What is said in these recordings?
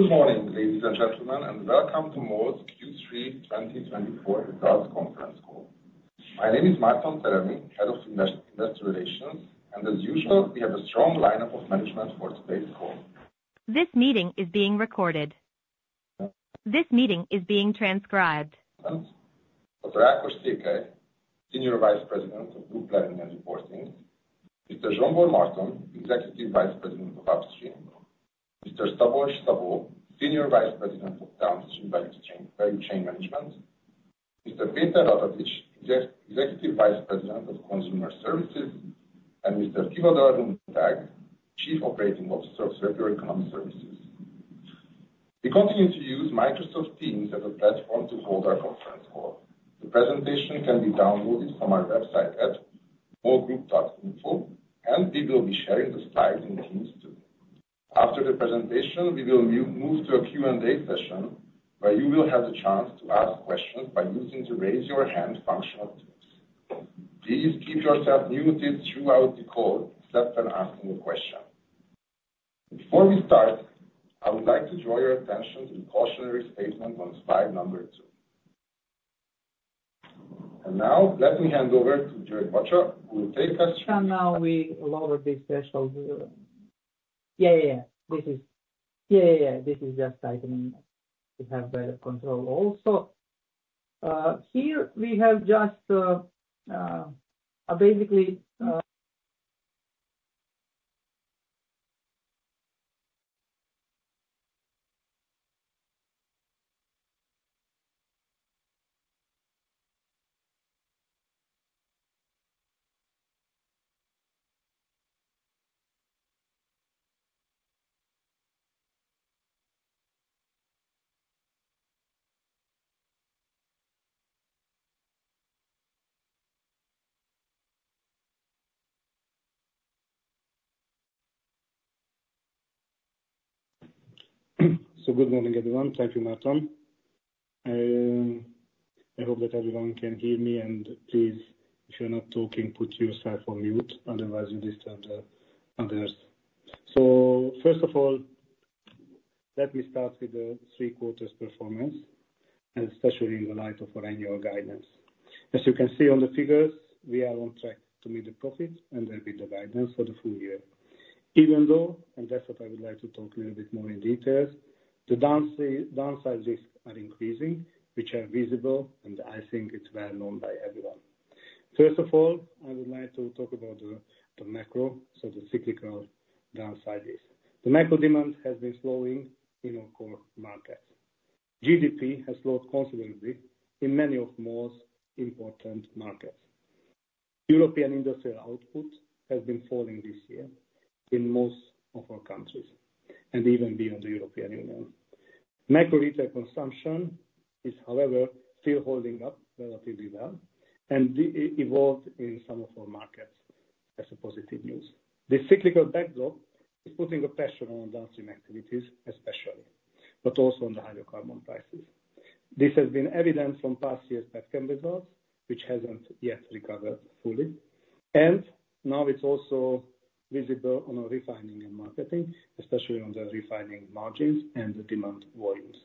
Good morning, ladies and gentlemen, and welcome to MOL Q3 2024 Results Conference Call. My name is Márton Teremi, Head of Investor Relations, and as usual, we have a strong lineup of management for today's call. This meeting is being recorded. This meeting is being transcribed. President, Dr. Ákos Székely, Senior Vice President of Group Planning and Reporting; Mr. Zsombor Márton, Executive Vice President of Upstream; Mr. Szabolcs Szabó, Senior Vice President of Downstream Value Chain Management; Mr. Péter Ratatics, Executive Vice President of Consumer Services; and Mr. Tivadar Runtág, Chief Operating Officer of Circular Economy Services. We continue to use Microsoft Teams as a platform to hold our conference call. The presentation can be downloaded from our website at molgroup.info, and we will be sharing the slides in Teams too. After the presentation, we will move to a Q&A session where you will have the chance to ask questions by using the raise-your-hand function of Teams. Please keep yourself muted throughout the call except when asking a question. Before we start, I would like to draw your attention to the cautionary statement on slide number two. And now, let me hand over to György Bacsa, who will take us. From now, we lower this threshold. This is just tightening to have better control also. Here we have just basically. Good morning, everyone. Thank you, Márton. I hope that everyone can hear me, and please, if you're not talking, put yourself on mute, otherwise, you disturb the others. First of all, let me start with the three-quarters performance, especially in the light of our annual guidance. As you can see on the figures, we are on track to meet the profit and then meet the guidance for the full year. Even though, and that's what I would like to talk a little bit more in detail, the downside risks are increasing, which are visible, and I think it's well known by everyone. First of all, I would like to talk about the macro, so the cyclical downside risk. The macro demand has been slowing in our core markets. GDP has slowed considerably in many of the most important markets. European industrial output has been falling this year in most of our countries and even beyond the European Union. Macro retail consumption is, however, still holding up relatively well and evolved in some of our markets, as a positive news. The cyclical backdrop is putting a pressure on Downstream activities, especially, but also on the hydrocarbon prices. This has been evident from past year's petchem results, which haven't yet recovered fully. And now it's also visible on our refining and marketing, especially on the refining margins and the demand volumes.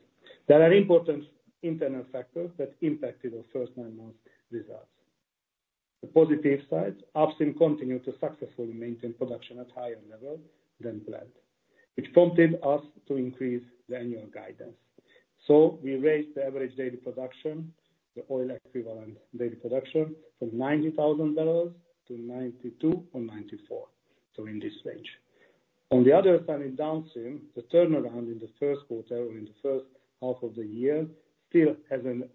There are important internal factors that impacted our first nine months' results. The positive side: Upstream continued to successfully maintain production at a higher level than planned, which prompted us to increase the annual guidance. So we raised the average daily production, the oil-equivalent daily production, from $90,000 to $92,000 or $94,000, so in this range. On the other side, in Downstream, the turnaround in the first quarter or in the first half of the year still hasn't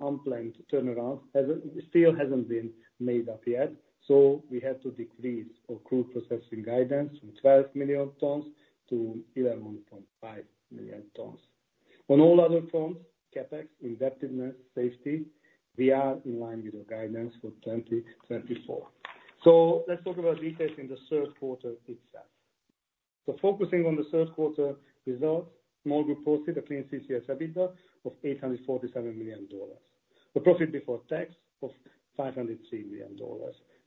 been made up yet, so we had to decrease our crude processing guidance from 12 million tons to 11.5 million tons. On all other fronts, CAPEX, indebtedness, safety, we are in line with our guidance for 2024. So let's talk about details in the third quarter itself. So focusing on the third quarter results, MOL Group posted a Clean CCS EBITDA of $847 million, a profit before tax of $503 million,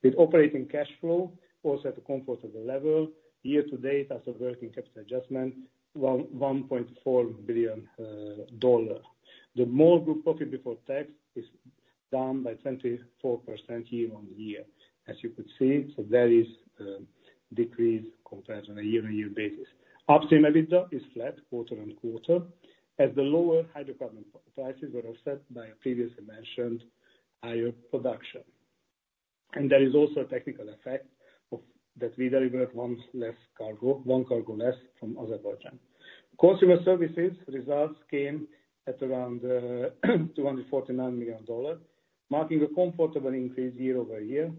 with operating cash flow also at a comfortable level. Year-to-date, after working capital adjustment, $1.4 billion. The MOL Group profit before tax is down by 24% year-on-year, as you could see. So there is a decrease compared to the year-on-year basis. Upstream EBITDA is flat quarter-on-quarter, as the lower hydrocarbon prices were offset by previously mentioned higher production. There is also a technical effect that we delivered one cargo less from Azerbaijan. Consumer services results came at around $249 million, marking a comfortable increase year-over-year,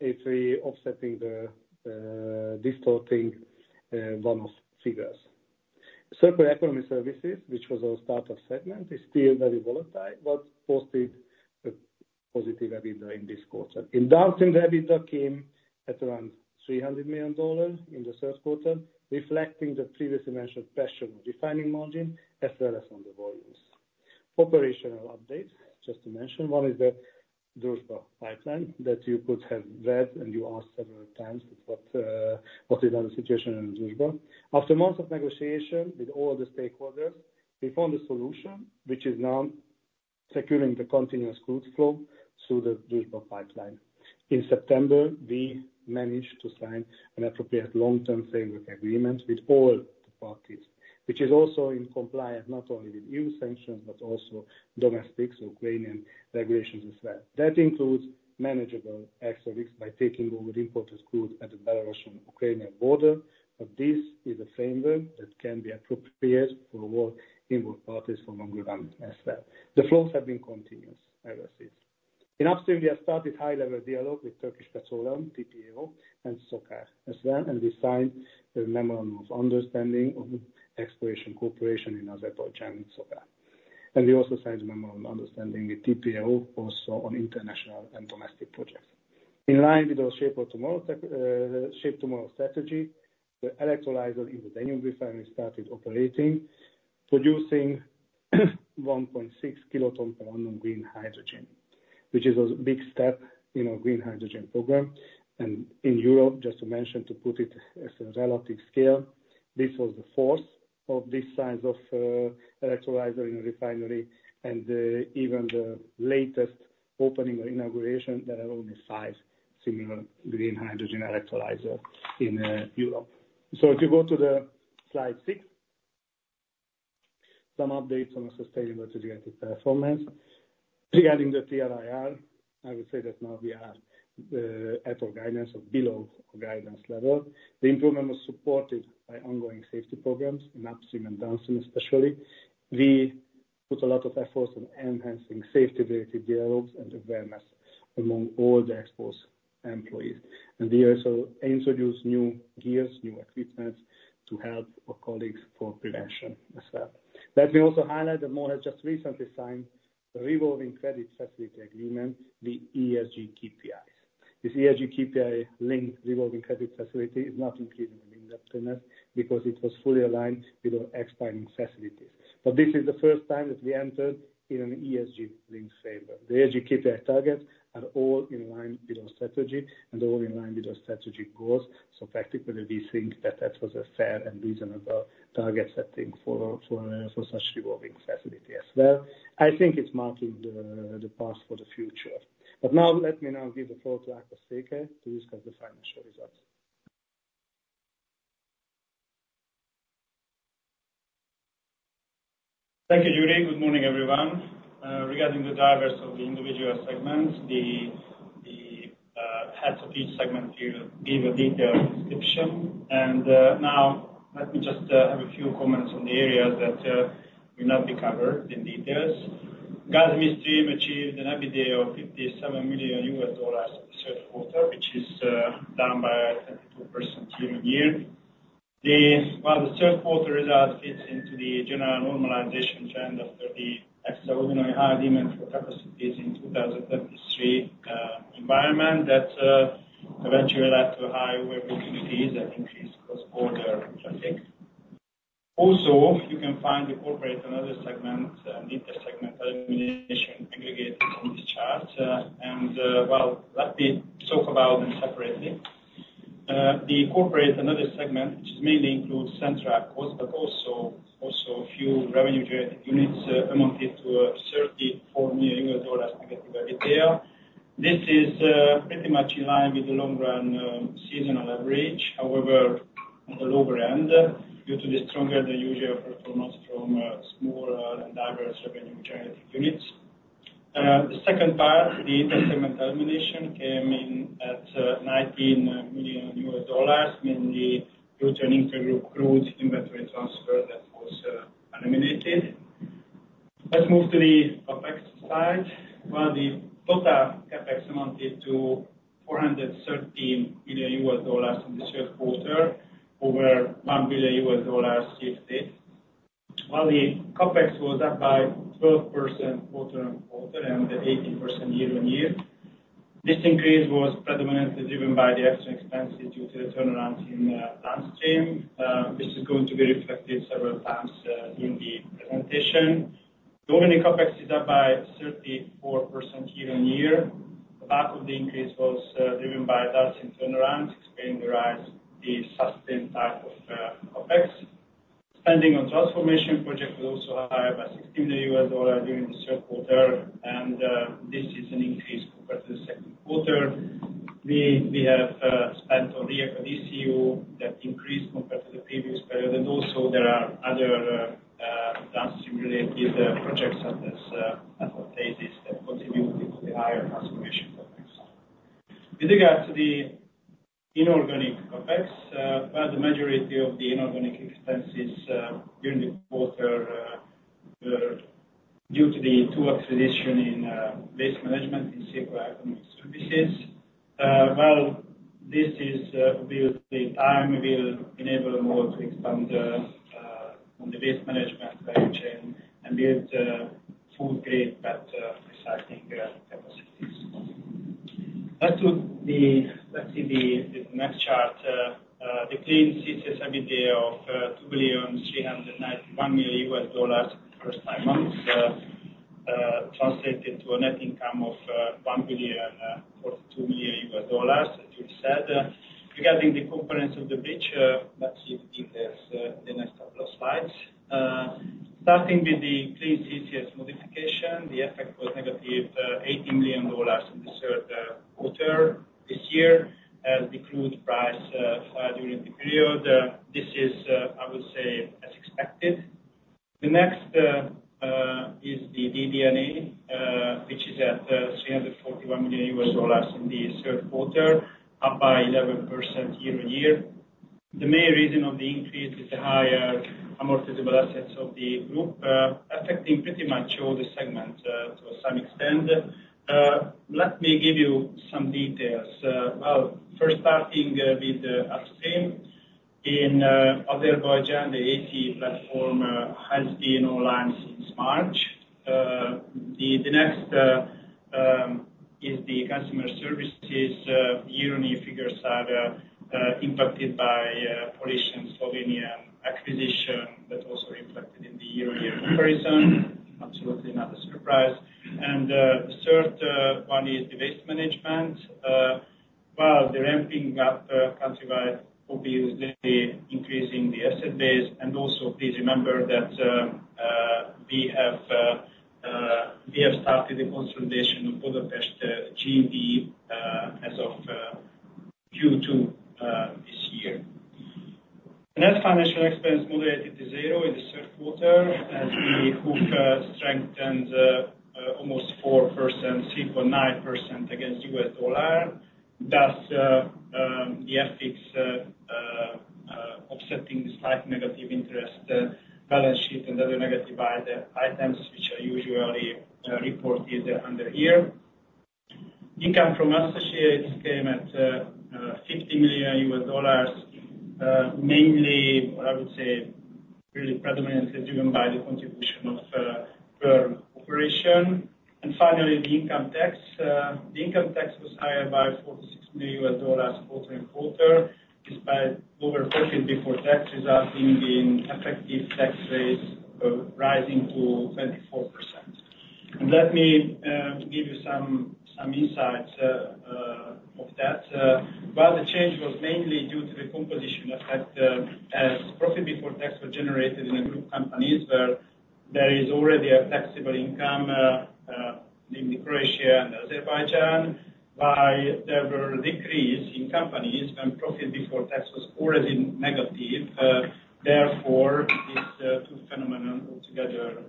if we offset the distorting bonus figures. Circular Economy Services, which was our startup segment, is still very volatile but posted a positive EBITDA in this quarter. In Downstream, the EBITDA came at around $300 million in the third quarter, reflecting the previously mentioned pressure on refining margin as well as on the volumes. Operational updates, just to mention. One is the Druzhba pipeline that you could have read, and you asked several times what is the situation in Druzhba. After months of negotiation with all the stakeholders, we found a solution, which is now securing the continuous crude flow through the Druzhba pipeline. In September, we managed to sign an appropriate long-term framework agreement with all the parties, which is also in compliance not only with EU sanctions but also domestic Ukrainian regulations as well. That includes manageable export risks by taking over imported crude at the Belarusian-Ukrainian border. But this is a framework that can be appropriated for all involved parties for longer runs as well. The flows have been continuous, I will say. In Upstream, we have started high-level dialogue with Turkish Petroleum, TPAO, and SOCAR as well, and we signed a memorandum of understanding on exploration cooperation in Azerbaijan and SOCAR. And we also signed a memorandum of understanding with TPAO also on international and domestic projects. In line with our Shape Tomorrow strategy, the electrolyzer in the Danube Refinery started operating, producing 1.6 kilotons per annum green hydrogen, which is a big step in our green hydrogen program. And in Europe, just to mention, to put it as a relative scale, this was the fourth of this size of electrolyzer in a refinery. And even the latest opening or inauguration, there are only five similar green hydrogen electrolyzers in Europe. So if you go to slide six, some updates on our sustainability-related performance. Regarding the TRIR, I would say that now we are at our guidance or below our guidance level. The improvement was supported by ongoing safety programs in Upstream and Downstream, especially. We put a lot of effort on enhancing safety-related dialogues and awareness among all the exposed employees. We also introduced new gears, new equipment to help our colleagues for prevention as well. Let me also highlight that MOL has just recently signed a revolving credit facility agreement, the ESG KPIs. This ESG KPI linked revolving credit facility is not included in indebtedness because it was fully aligned with our expiring facilities. This is the first time that we entered in an ESG-linked framework. The ESG KPI targets are all in line with our strategy and all in line with our strategic goals. Practically, we think that that was a fair and reasonable target setting for such a revolving facility as well. I think it's marking the path for the future. Now, let me now give the floor to Ákos Székely to discuss the financial results. Thank you, György. Good morning, everyone. Regarding the drivers of the individual segments, the heads of each segment will give a detailed description. Now, let me just have a few comments on the areas that will not be covered in detail. Gas Midstream achieved an EBITDA of $57 million in the third quarter, which is down by 22% year-on-year. While the third-quarter result fits into the general normalization trend of the extraordinary high demand for capacities in the 2023 environment, that eventually led to higher working duties and increased cross-border traffic. Also, you can find the corporate and other segments, and inter-segment elimination aggregated in this chart. Well, let me talk about them separately. The corporate and other segments, which mainly include central outputs, but also a few revenue-generated units, amounted to -$34 million EBITDA. This is pretty much in line with the long-run seasonal average. However, at the lower end, due to the stronger-than-usual performance from smaller and diverse revenue-generated units. The second part, the inter-segment elimination, came in at $19 million, mainly due to an inter-group crude inventory transfer that was eliminated. Let's move to the CAPEX side. Well, the total CAPEX amounted to $413 million in the third quarter, over $1 billion shifted. While the CAPEX was up by 12% quarter-on-quarter and 18% year-on-year. This increase was predominantly driven by the extra expenses due to the turnaround in Downstream, which is going to be reflected several times during the presentation. The overnight CAPEX is up by 34% year-on-year. The back of the increase was driven by Downstream turnaround, explaining the rise, the sustained type of CAPEX. Spending on transformation projects was also higher by $16 million during the third quarter, and this is an increase compared to the second quarter. We have spent on Rijeka DCU that increased compared to the previous period. And also, there are other Downstream-related projects at this phase that contribute to the higher transformation CAPEX. With regard to the inorganic CAPEX, the majority of the inorganic expenses during the quarter were due to the two acquisitions in waste management in circular economy services. This will obviously enable MOL to expand on the waste management value chain and build full-scale, better recycling capacities. Let's see the next chart. The Clean CCS EBITDA of $2,391 million in the first nine months translated to a net income of $1,042 million as you said. Regarding the components of the bridge, let's see the details in the next couple of slides. Starting with the Clean CCS modification, the effect was negative $80 million in the third quarter this year as the crude price fell during the period. This is, I would say, as expected. The next is the DD&A, which is at $341 million in the third quarter, up by 11% year-on-year. The main reason of the increase is the higher amortizable assets of the group, affecting pretty much all the segments to some extent. Let me give you some details. Well, first, starting with Upstream, in Azerbaijan, the ACG platform has been online since March. The next is the customer services year-on-year figures are impacted by Polish and Slovenian acquisition, but also reflected in the year-on-year comparison. Absolutely not a surprise, and the third one is the waste management. Well, the ramping up countrywide obviously increasing the asset base. Also, please remember that we have started the consolidation of Budapest GEV as of Q2 this year. The net financial expense moderated to zero in the third quarter, as the HUF strengthened almost 4%, 3.9% against US dollar. Thus, the FX offsetting the slight negative interest balance sheet and other negative items, which are usually reported under here. Income from associates came at $50 million, mainly, I would say, really predominantly driven by the contribution of E&P operation. Finally, the income tax. The income tax was higher by $46 million quarter-on-quarter, despite over 40 before tax resulting in effective tax rates rising to 24%. Let me give you some insights of that. The change was mainly due to the composition effect as profit before tax was generated in a group of companies where there is already a taxable income in Croatia and Azerbaijan. While there were decreases in companies when profit before tax was already negative, therefore, these two phenomena altogether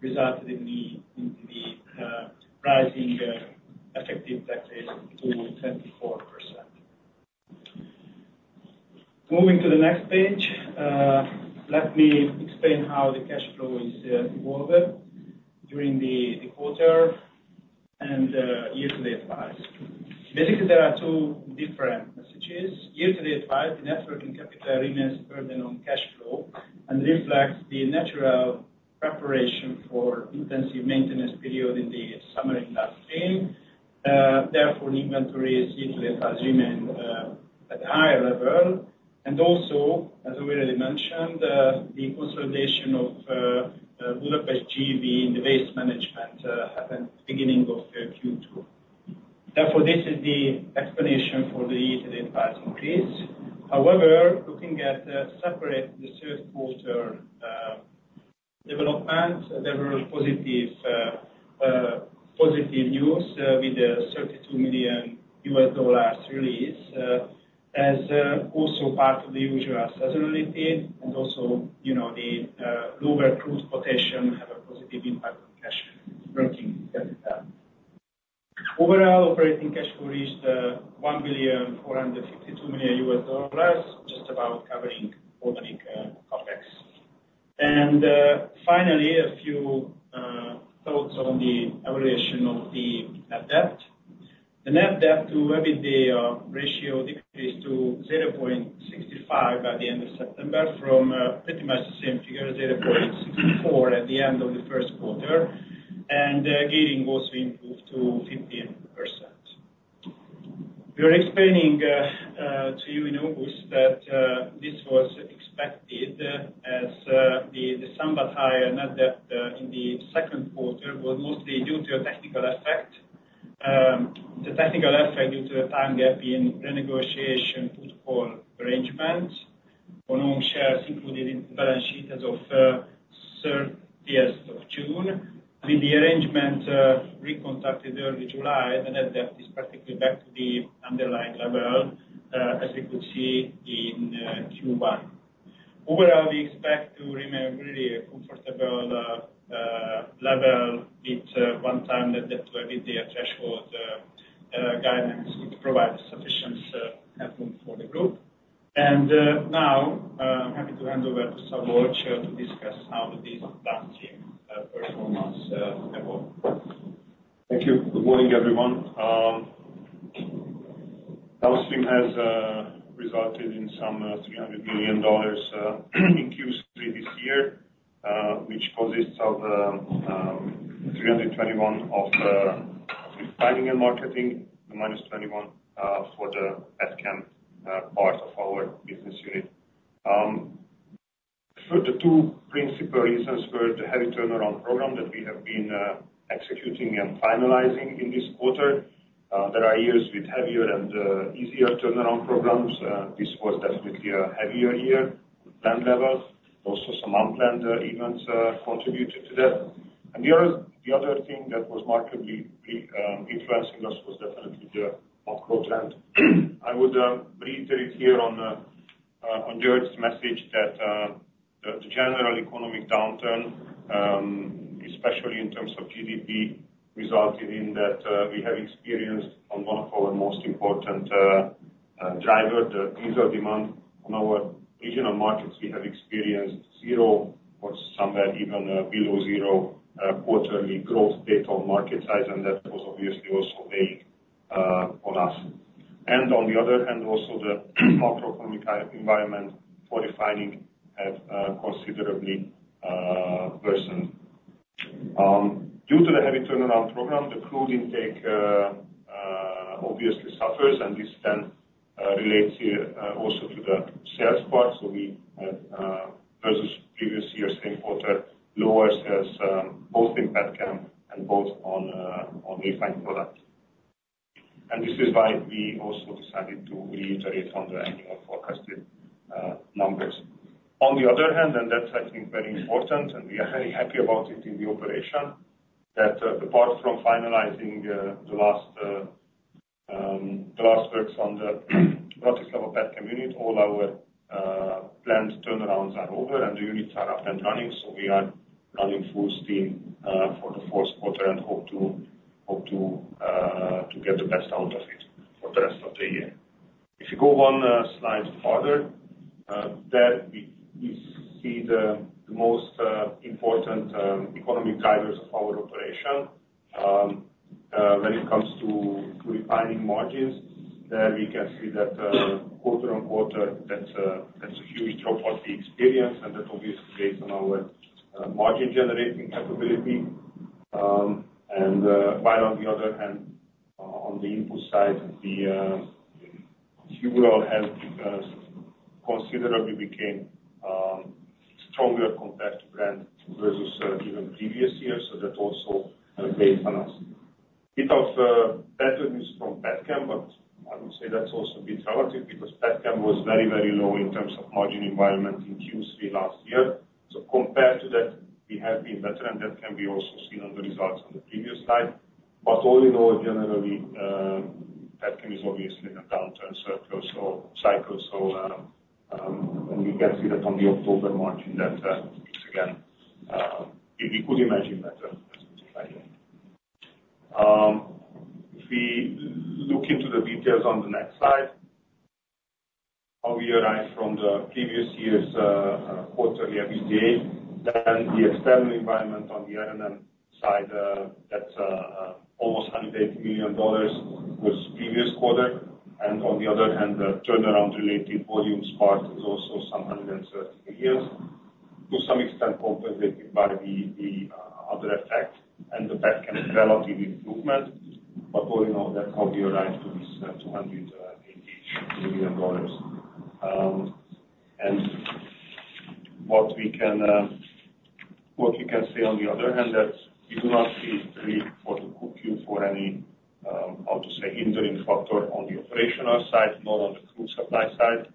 resulted in the rising effective tax rate to 24%. Moving to the next page, let me explain how the cash flow is evolved during the quarter and year-to-date basis. Basically, there are two different messages. Year-to-date basis, the net working capital remains burdened on cash flow and reflects the natural preparation for intensive maintenance period in the summer in the industry. Therefore, the inventory is year-to-date basis remained at a higher level. And also, as already mentioned, the consolidation of Budapest GEV in the waste management happened at the beginning of Q2. Therefore, this is the explanation for the year-to-date basis increase. However, looking at the separate third quarter development, there were positive news with the $32 million release as also part of the usual seasonality. And also, the lower crude quotation had a positive impact on cash working capital. Overall, operating cash flow reached $1,452 million US dollars, just about covering organic CAPEX. And finally, a few thoughts on the evolution of the net debt. The net debt to EBITDA ratio decreased to 0.65 by the end of September from pretty much the same figure, 0.64 at the end of the first quarter. And the gearing also improved to 15%. We were explaining to you in August that this was expected as the somewhat higher net debt in the second quarter was mostly due to a technical effect. The technical effect due to the time gap in renegotiation put-call arrangement on own shares included in the balance sheet as of 30th of June. With the arrangement renegotiated early July, the net debt is practically back to the underlying level as we could see in Q1. Overall, we expect to remain really a comfortable level with one-time net debt to EBITDA threshold guidance, which provides sufficient headroom for the group. And now, I'm happy to hand over to Szabolcs Szabó to discuss how this Downstream performance evolved. Thank you. Good morning, everyone. Downstream has resulted in some $300 million in Q3 this year, which consists of $321 of refining and marketing,-$21 for the petchem part of our business unit. The two principal reasons for the heavy turnaround program that we have been executing and finalizing in this quarter. There are years with heavier and easier turnaround programs. This was definitely a heavier year with planned levels. Also, some unplanned events contributed to that. And the other thing that was markedly influencing us was definitely the macro trend. I would reiterate here on György's message that the general economic downturn, especially in terms of GDP, resulted in that we have experienced on one of our most important drivers, the diesel demand. On our regional markets, we have experienced zero or somewhere even below zero quarterly growth data on market size, and that was obviously also weighing on us, and on the other hand, also the macroeconomic environment for refining had considerably worsened. Due to the heavy turnaround program, the crude intake obviously suffers, and this then relates here also to the sales part, so we had, versus previous year's same quarter, lower sales both in petchem and both on refined product, and this is why we also decided to reiterate on the annual forecasted numbers. On the other hand, and that's, I think, very important, and we are very happy about it in the operation, that apart from finalizing the last works on the Bratislava petchem unit, all our planned turnarounds are over, and the units are up and running. So we are running full steam for the fourth quarter and hope to get the best out of it for the rest of the year. If you go one slide farther, there we see the most important economic drivers of our operation. When it comes to refining margins, there we can see that quarter-on-quarter, that's a huge drop what we experience, and that obviously based on our margin-generating capability. And while on the other hand, on the input side, the fuel oil has considerably become stronger compared to Brent versus even previous years. So that also plays on us. Bit of bad news from petchem, but I would say that's also a bit relative because petchem was very, very low in terms of margin environment in Q3 last year. So compared to that, we have been better, and that can be also seen on the results on the previous slide. But all in all, generally, petchem is obviously in a downturn cycle. So we can see that on the October-March data; it's again, we could imagine better than expected. If we look into the details on the next slide, how we arrived from the previous year's quarterly EBITDA, then the external environment on the R&M side, that's almost $180 million was previous quarter. And on the other hand, the turnaround-related volumes part is also some $130 million, to some extent compensated by the other effect and the petchem relative improvement. But all in all, that's how we arrived to this $280 million. And what we can say on the other hand, that we do not see a really important Q4 any, how to say, hindering factor on the operational side, not on the crude supply side.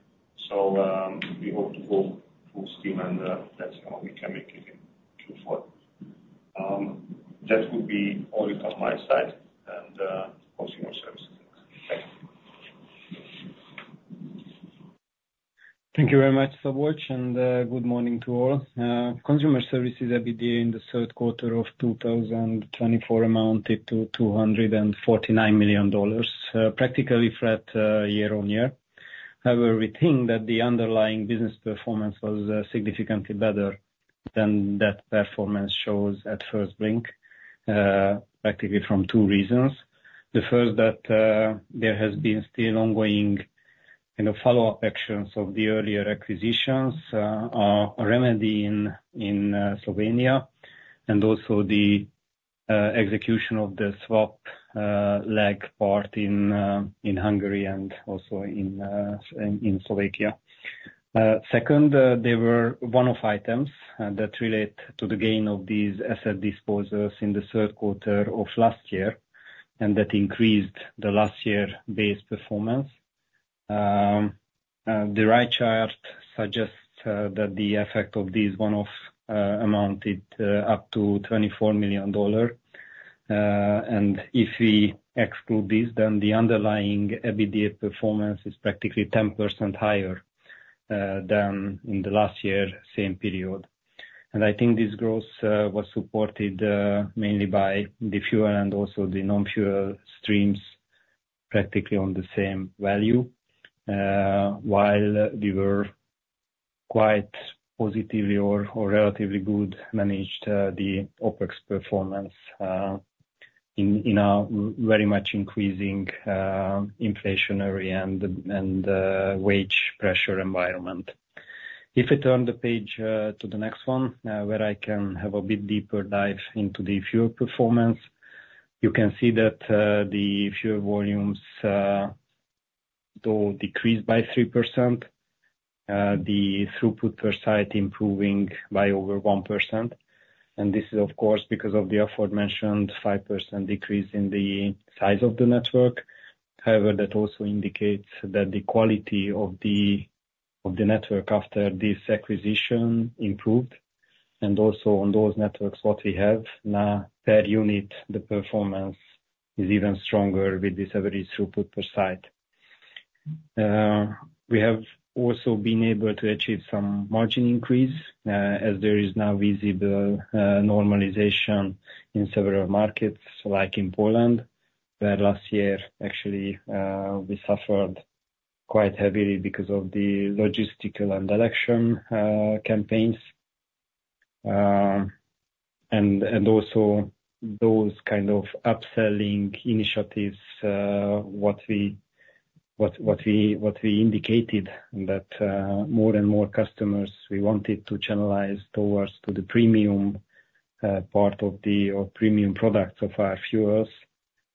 So we hope to go full steam, and that's how we can make it in Q4. That would be all on my side. And Consumer Services, thanks. Thank you. Thank you very much, Szabolcs Szabó, and good morning to all. Consumer services EBITDA in the third quarter of 2024 amounted to $249 million, practically flat year-on-year. However, we think that the underlying business performance was significantly better than that performance shows at first blink, practically from two reasons. The first, that there has been still ongoing kind of follow-up actions of the earlier acquisitions, a remedy in Slovenia, and also the execution of the swap lag part in Hungary and also in Slovakia. Second, there were one-off items that relate to the gain of these asset disposals in the third quarter of last year, and that increased the last year-based performance. The right chart suggests that the effect of these one-off amounted up to $24 million. And if we exclude this, then the underlying EBITDA performance is practically 10% higher than in the last year's same period. I think this growth was supported mainly by the fuel and also the non-fuel streams, practically on the same value, while we were quite positively or relatively good managed the OPEX performance in a very much increasing inflationary and wage pressure environment. If we turn the page to the next one, where I can have a bit deeper dive into the fuel performance, you can see that the fuel volumes, though decreased by 3%, the throughput per site improving by over 1%. This is, of course, because of the aforementioned 5% decrease in the size of the network. However, that also indicates that the quality of the network after this acquisition improved. Also on those networks, what we have now per unit, the performance is even stronger with this average throughput per site. We have also been able to achieve some margin increase as there is now visible normalization in several markets, like in Poland, where last year, actually, we suffered quite heavily because of the logistical and election campaigns, and also those kind of upselling initiatives, what we indicated that more and more customers we wanted to channelize towards to the premium part of the premium products of our fuels,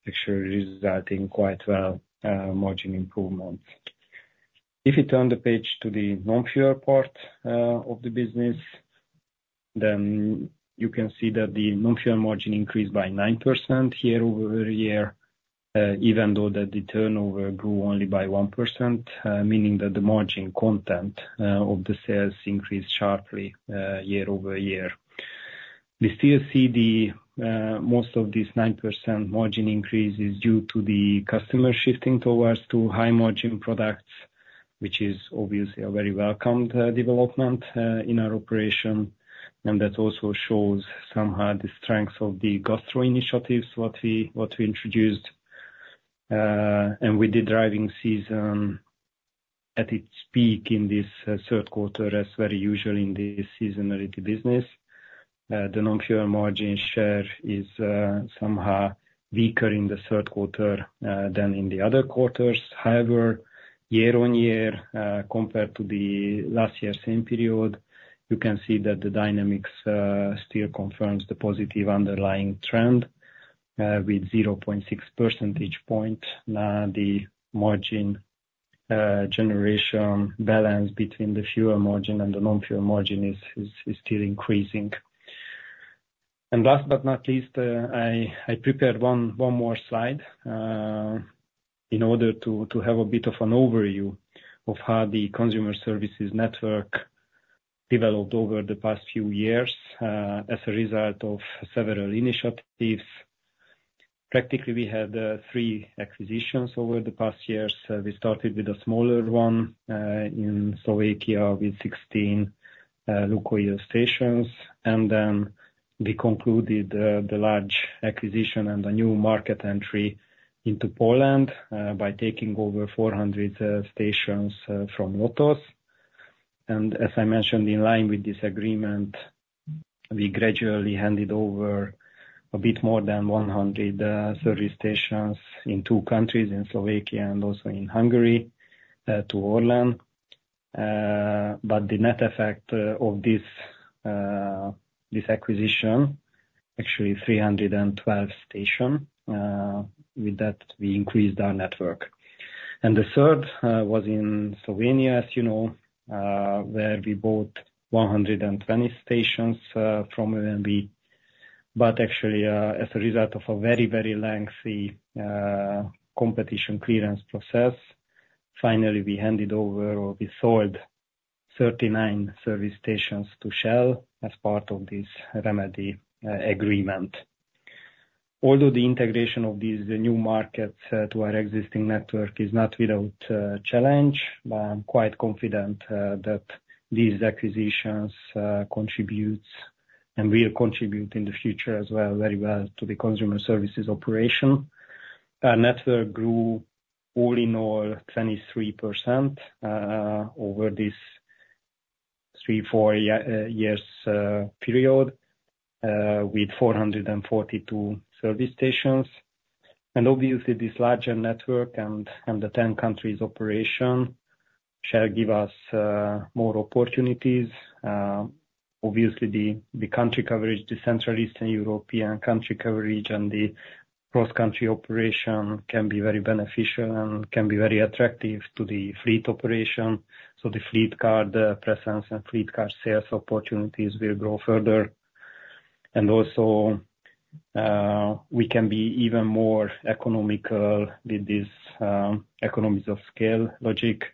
actually resulting in quite well margin improvements. If we turn the page to the non-fuel part of the business, then you can see that the non-fuel margin increased by 9% year-over-year, even though that the turnover grew only by 1%, meaning that the margin content of the sales increased sharply year-over-year. We still see most of this 9% margin increase is due to the customer shifting towards to high-margin products, which is obviously a very welcomed development in our operation. And that also shows somehow the strength of the gastro initiatives what we introduced. And with the driving season at its peak in this third quarter, as very usual in the seasonality business, the non-fuel margin share is somehow weaker in the third quarter than in the other quarters. However, year-on-year, compared to the last year's same period, you can see that the dynamics still confirms the positive underlying trend with 0.6 percentage points. Now, the margin generation balance between the fuel margin and the non-fuel margin is still increasing. And last but not least, I prepared one more slide in order to have a bit of an overview of how the Consumer Services network developed over the past few years as a result of several initiatives. Practically, we had three acquisitions over the past years. We started with a smaller one in Slovakia with 16 local stations. And then we concluded the large acquisition and a new market entry into Poland by taking over 400 stations from Lotos. And as I mentioned, in line with this agreement, we gradually handed over a bit more than 100 service stations in two countries, in Slovakia and also in Hungary, to Orlen. But the net effect of this acquisition, actually 312 stations, with that, we increased our network. And the third was in Slovenia, as you know, where we bought 120 stations from OMV. Actually, as a result of a very, very lengthy competition clearance process, finally, we handed over or we sold 39 service stations to Shell as part of this remedy agreement. Although the integration of these new markets to our existing network is not without challenge, but I'm quite confident that these acquisitions contribute and will contribute in the future as well very well to the Consumer Services operation. Our network grew all in all 23% over this three, four years period with 442 service stations. Obviously, this larger network and the 10 countries operation shall give us more opportunities. Obviously, the country coverage, the Central and Eastern European country coverage and the cross-country operation can be very beneficial and can be very attractive to the fleet operation. The fleet card presence and fleet card sales opportunities will grow further. And also, we can be even more economical with this economies of scale logic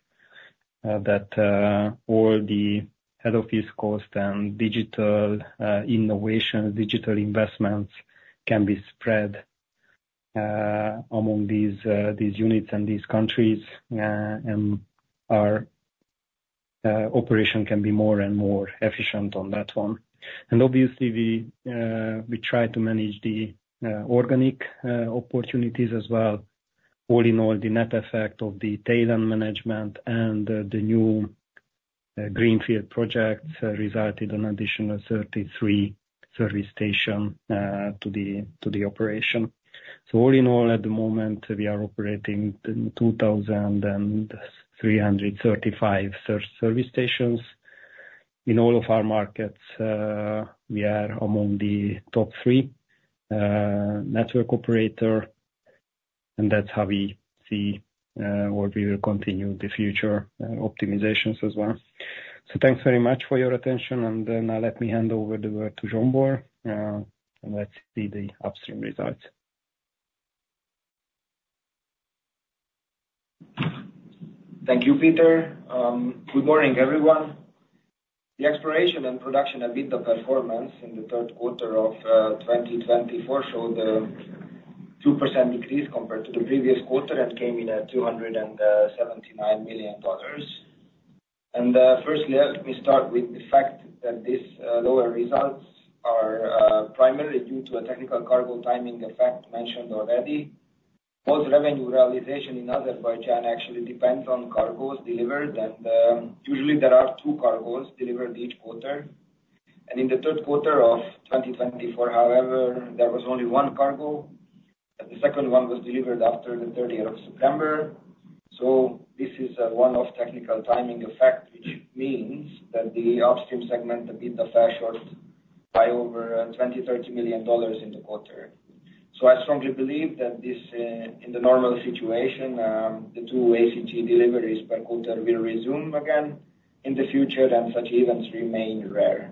that all the head office costs and digital innovations, digital investments can be spread among these units and these countries, and our operation can be more and more efficient on that one. And obviously, we try to manage the organic opportunities as well. All in all, the net effect of the tail-end management and the new greenfield projects resulted in an additional 33 service stations to the operation. So all in all, at the moment, we are operating 2,335 service stations. In all of our markets, we are among the top three network operators, and that's how we see what we will continue in the future optimizations as well. So thanks very much for your attention. And now let me hand over the word to Zsombor Márton, and let's see the Upstream results. Thank you, Peter. Good morning, everyone. The exploration and production EBITDA performance in the third quarter of 2024 showed a 2% decrease compared to the previous quarter and came in at $279 million. Firstly, let me start with the fact that these lower results are primarily due to a technical cargo timing effect mentioned already. Most revenue realization in Azerbaijan actually depends on cargoes delivered, and usually, there are two cargoes delivered each quarter. In the third quarter of 2024, however, there was only one cargo. The second one was delivered after the 30th of September. This is one-off technical timing effect, which means that the Upstream segment EBITDA fell short by over $20-$30 million in the quarter. I strongly believe that in the normal situation, the two ACG deliveries per quarter will resume again in the future, and such events remain rare.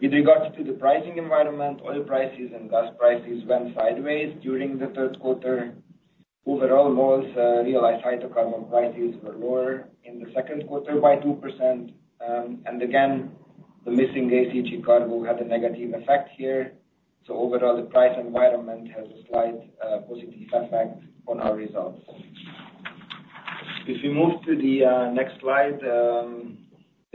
With regards to the pricing environment, oil prices and gas prices went sideways during the third quarter. Overall, most realized hydrocarbon prices were lower in the second quarter by 2%, and again, the missing ACG cargo had a negative effect here, so overall, the price environment has a slight positive effect on our results. If we move to the next slide,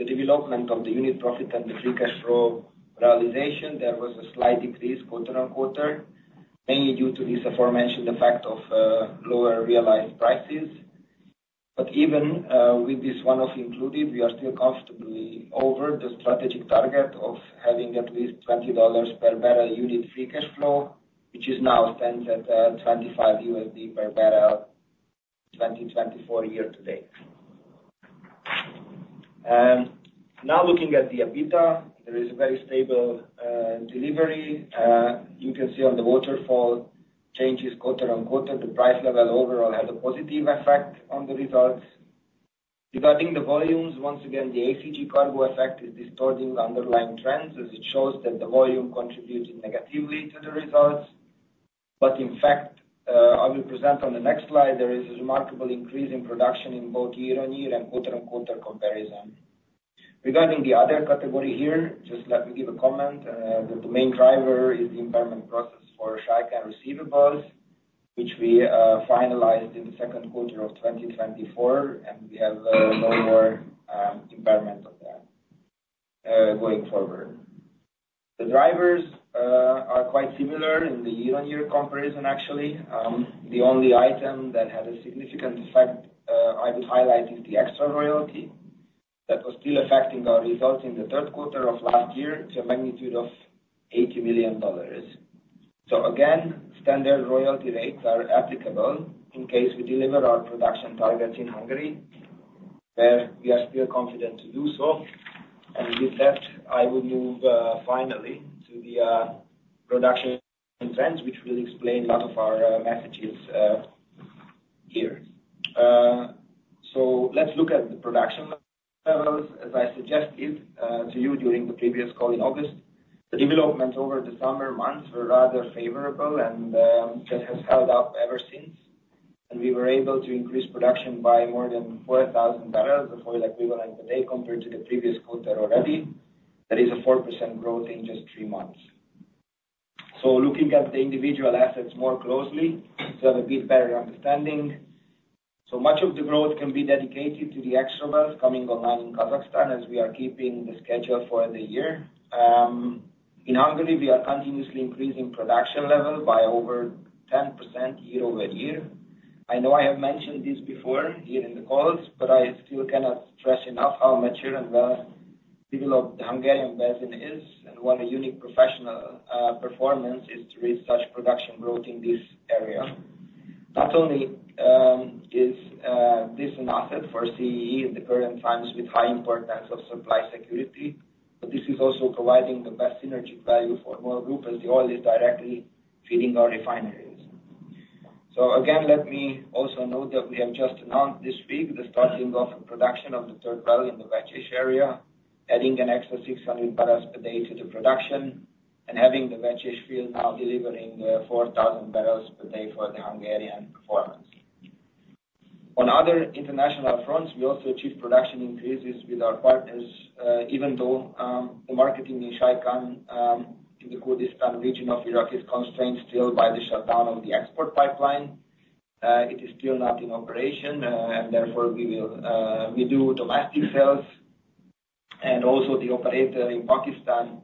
the development of the unit profit and the free cash flow realization, there was a slight decrease quarter-on-quarter, mainly due to this aforementioned effect of lower realized prices, but even with this one-off included, we are still comfortably over the strategic target of having at least $20 per barrel unit free cash flow, which now stands at $25 per barrel in 2024 year-to-date. Now, looking at the EBITDA, there is a very stable delivery. You can see on the waterfall changes quarter-on-quarter. The price level overall has a positive effect on the results. Regarding the volumes, once again, the ACG cargo effect is distorting the underlying trends as it shows that the volume contributed negatively to the results. But in fact, I will present on the next slide, there is a remarkable increase in production in both year-on-year and quarter-on-quarter comparison. Regarding the other category here, just let me give a comment that the main driver is the impairment process for Shaikan receivables, which we finalized in the second quarter of 2024, and we have no more impairment of that going forward. The drivers are quite similar in the year-on-year comparison, actually. The only item that had a significant effect I would highlight is the extra royalty that was still affecting our results in the third quarter of last year to a magnitude of $80 million. So again, standard royalty rates are applicable in case we deliver our production targets in Hungary, where we are still confident to do so. And with that, I will move finally to the production trends, which will explain a lot of our messages here. So let's look at the production levels, as I suggested to you during the previous call in August. The developments over the summer months were rather favorable, and that has held up ever since. And we were able to increase production by more than 4,000 barrels of oil equivalent per day compared to the previous quarter already. That is a 4% growth in just three months. So looking at the individual assets more closely to have a bit better understanding, so much of the growth can be dedicated to the extra wells coming online in Kazakhstan as we are keeping the schedule for the year. In Hungary, we are continuously increasing production level by over 10% year-over-year. I know I have mentioned this before here in the calls, but I still cannot stress enough how mature and well-developed the Hungarian basin is and what a unique professional performance is to reach such production growth in this area. Not only is this an asset for CEE in the current times with high importance of supply security, but this is also providing the best synergic value for our group as the oil is directly feeding our refineries. So again, let me also note that we have just announced this week the starting of production of the third well in the Vecsés area, adding an extra 600 barrels per day to the production and having the Vecsés field now delivering 4,000 barrels per day for the Hungarian performance. On other international fronts, we also achieved production increases with our partners, even though the marketing in Shaikan in the Kurdistan region of Iraq is constrained still by the shutdown of the export pipeline. It is still not in operation, and therefore, we do domestic sales. And also the operator in Pakistan,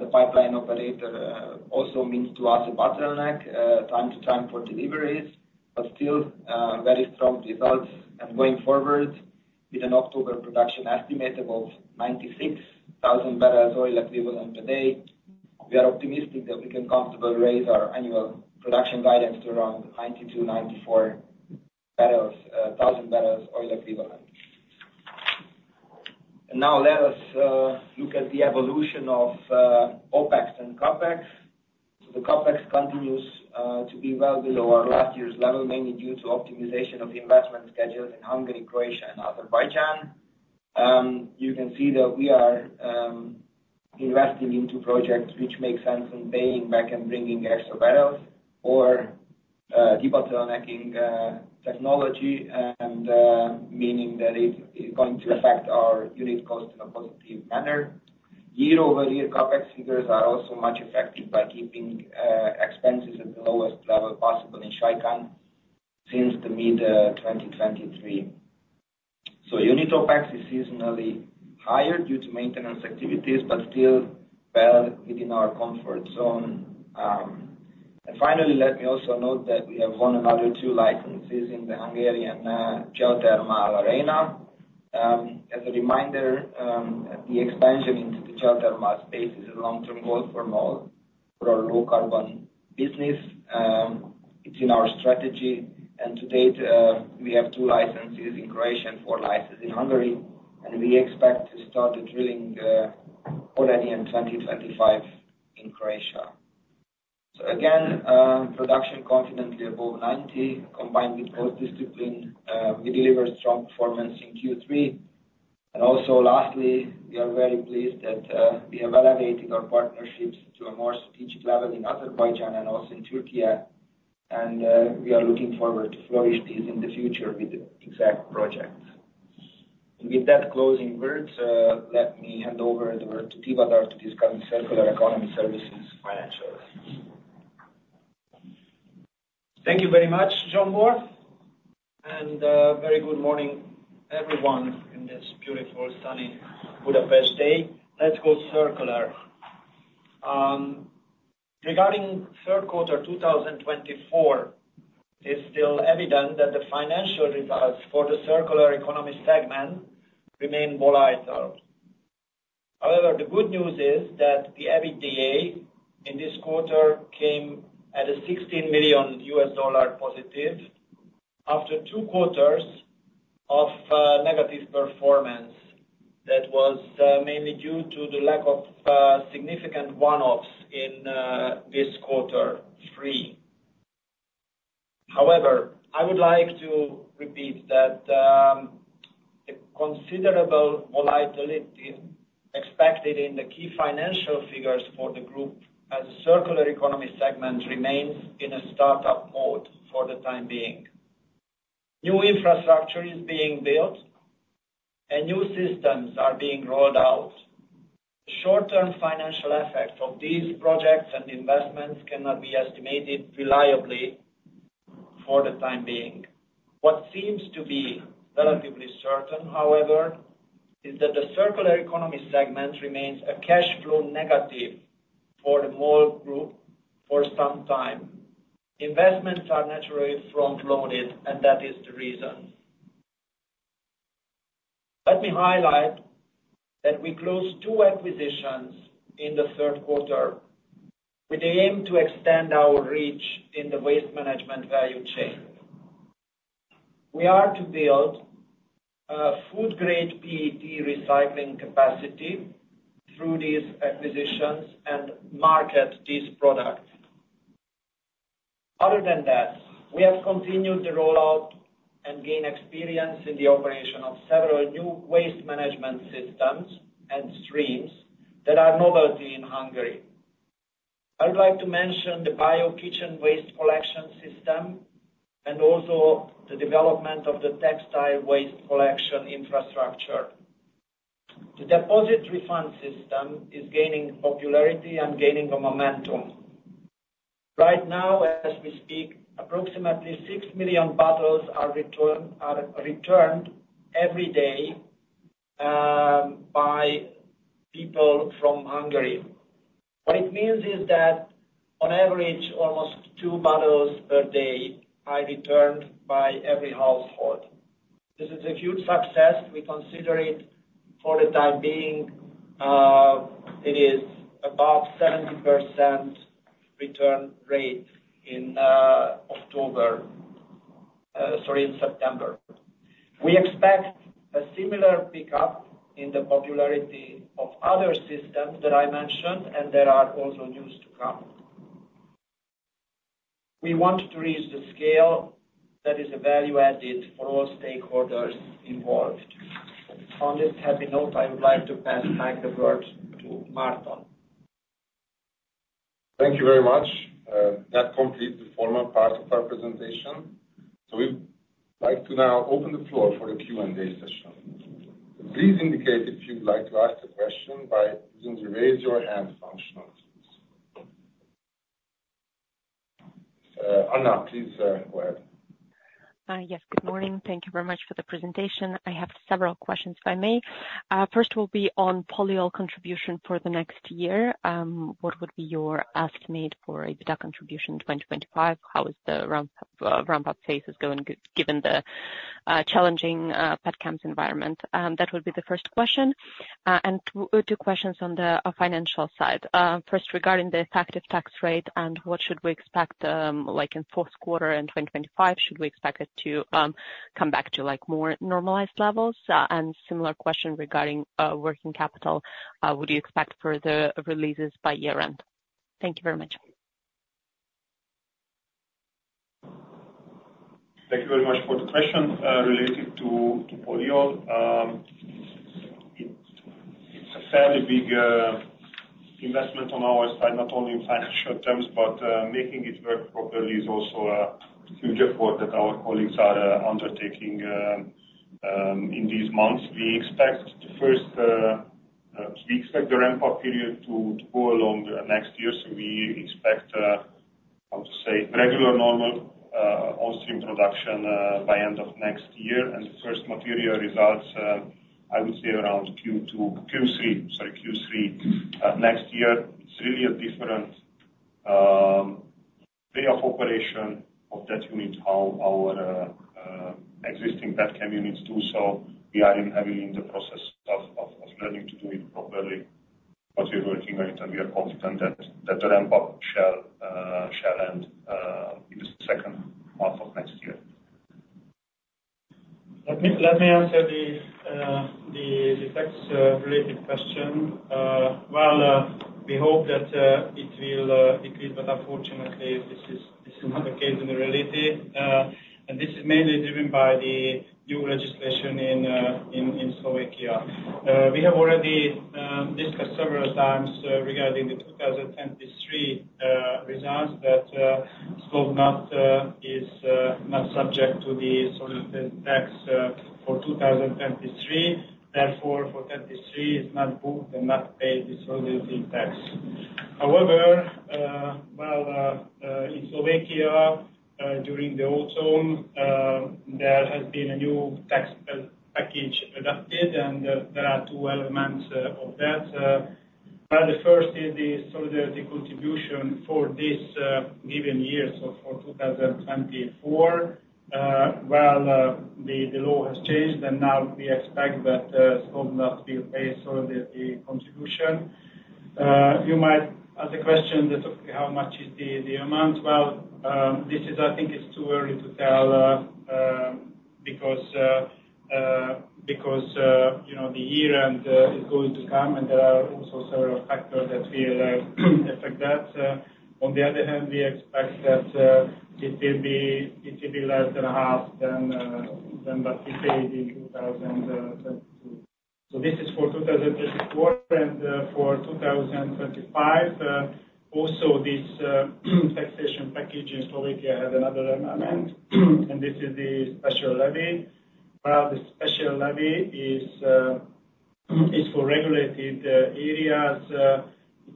the pipeline operator, also means to us a bottleneck time to time for deliveries, but still very strong results. And going forward, with an October production estimate of 96,000 barrels of oil equivalent per day, we are optimistic that we can comfortably raise our annual production guidance to around 92,000 barrels of oil equivalent. And now let us look at the evolution of OPEX and CAPEX. So the CAPEX continues to be well below our last year's level, mainly due to optimization of investment schedules in Hungary, Croatia, and Azerbaijan. You can see that we are investing into projects which make sense in paying back and bringing extra barrels or de-bottlenecking technology, meaning that it is going to affect our unit cost in a positive manner. Year-over-year CAPEX figures are also much affected by keeping expenses at the lowest level possible in Shaikan since the mid-2023. So unit OPEX is seasonally higher due to maintenance activities, but still well within our comfort zone. And finally, let me also note that we have won another two licenses in the Hungarian geothermal arena. As a reminder, the expansion into the geothermal space is a long-term goal for MOL for our low-carbon business. It's in our strategy. And to date, we have two licenses in Croatia and four licenses in Hungary, and we expect to start drilling already in 2025 in Croatia. So again, production confidently above 90, combined with both disciplines, we deliver strong performance in Q3. And also, lastly, we are very pleased that we have elevated our partnerships to a more strategic level in Azerbaijan and also in Türkiye, and we are looking forward to flourishing these in the future with next projects. And with that, closing words, let me hand over to Tivadar to discuss circular economy services financials. Thank you very much, Zsombor, and very good morning, everyone, in this beautiful, sunny Budapest day. Let's go circular. Regarding third quarter 2024, it is still evident that the financial results for the circular economy segment remain volatile. However, the good news is that the EBITDA in this quarter came at a $16 million positive after two quarters of negative performance. That was mainly due to the lack of significant one-offs in this quarter three. However, I would like to repeat that the considerable volatility expected in the key financial figures for the group as a circular economy segment remains in a startup mode for the time being. New infrastructure is being built and new systems are being rolled out. Short-term financial effects of these projects and investments cannot be estimated reliably for the time being. What seems to be relatively certain, however, is that the circular economy segment remains a cash flow negative for the MOL Group for some time. Investments are naturally front-loaded, and that is the reason. Let me highlight that we closed two acquisitions in the third quarter with the aim to extend our reach in the waste management value chain. We are to build a food-grade PET recycling capacity through these acquisitions and market this product. Other than that, we have continued the rollout and gained experience in the operation of several new waste management systems and streams that are novelty in Hungary. I would like to mention the bio kitchen waste collection system and also the development of the textile waste collection infrastructure. The deposit refund system is gaining popularity and gaining momentum. Right now, as we speak, approximately 6 million bottles are returned every day by people from Hungary. What it means is that, on average, almost two bottles per day are returned by every household. This is a huge success. We consider it for the time being. It is about 70% return rate in October, sorry, in September. We expect a similar pickup in the popularity of other systems that I mentioned and that are also news to come. We want to reach the scale that is a value added for all stakeholders involved. On this happy note, I would like to pass the mic to Márton. Thank you very much. That completes the formal part of our presentation. So we'd like to now open the floor for the Q&A session. Please indicate if you'd like to ask a question by using the raise your hand function. Anna, please go ahead. Yes, good morning. Thank you very much for the presentation. I have several questions, if I may. First will be on polyol contribution for the next year. What would be your estimate for EBITDA contribution 2025? How is the ramp-up phase going given the challenging petchems environment? That would be the first question. And two questions on the financial side. First, regarding the effective tax rate, what should we expect in fourth quarter in 2025? Should we expect it to come back to more normalized levels? And similar question regarding working capital, would you expect further releases by year-end? Thank you very much. Thank you very much for the question related to polyol. It's a fairly big investment on our side, not only in financial terms, but making it work properly is also a huge effort that our colleagues are undertaking in these months. We expect the ramp-up period to go along next year. So we expect, how to say, regular normal on-stream production by end of next year, and the first material results, I would say, around Q3, sorry, Q3 next year. It's really a different way of operation of that unit how our existing petchem units do. So we are heavily in the process of learning to do it properly, but we're working on it, and we are confident that the ramp-up shall end in the second half of next year. Let me answer the effects-related question. We hope that it will decrease, but unfortunately, this is not the case in reality. This is mainly driven by the new legislation in Slovakia. We have already discussed several times regarding the 2023 results that Slovnaft is not subject to the solidarity tax for 2023. Therefore, for 2023, it's not booked and not paid the solidarity tax. However, well, in Slovakia, during the autumn, there has been a new tax package adopted, and there are two elements of that. The first is the solidarity contribution for this given year, so for 2024. The law has changed, and now we expect that Slovnaft will pay solidarity contribution. You might ask the question, how much is the amount? This is, I think, it's too early to tell because the year-end is going to come, and there are also several factors that will affect that. On the other hand, we expect that it will be less than half than what we paid in 2022. This is for 2024, and for 2025, also this taxation package in Slovakia had another element, and this is the special levy. The special levy is for regulated areas.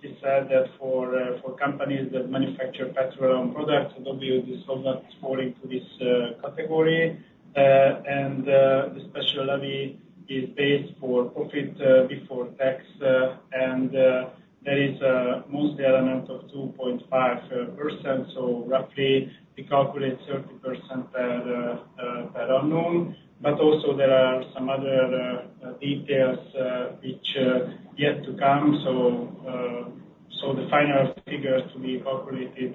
It is said that for companies that manufacture petroleum products, in a way, Slovnaft falls into this category. The special levy is based on profit before tax, and there is mostly an element of 2.5%. Roughly, we calculate 30% per annum. But also, there are some other details which are yet to come. The final figures to be calculated